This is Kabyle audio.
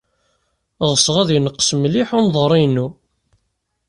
Ɣseɣ ad yenqes mliḥ unḍerri-inu.